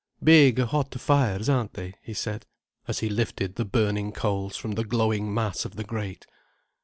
"Big, hot fires, aren't they?" he said, as he lifted the burning coals from the glowing mass of the grate.